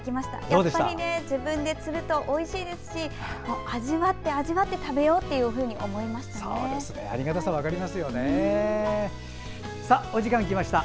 やっぱり自分で釣るとおいしいですし味わって、味わって食べようというふうに思いました。